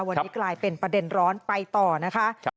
วันนี้กลายเป็นประเด็นร้อนไปต่อนะคะ